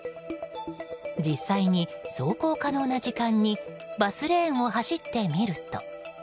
実際に走行可能な時間にバスレーンを走ってみると。